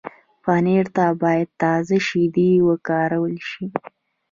پنېر ته باید تازه شیدې وکارول شي.